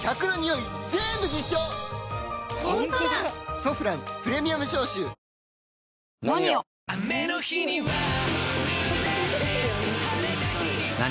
「ソフランプレミアム消臭」「ＮＯＮＩＯ」！